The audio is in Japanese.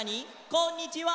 「こんにちは」